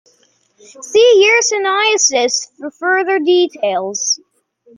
See yersiniosis for further details.